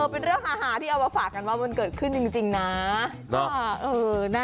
เป็นเรื่องฮาที่เอามาฝากกันว่ามันเกิดขึ้นจริงนะ